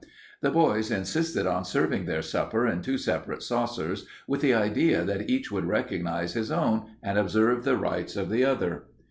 The boys insisted on serving their supper in two separate saucers with the idea that each would recognize his own and observe the rights of the other.